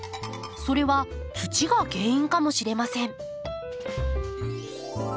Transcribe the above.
それは土が原因かもしれません。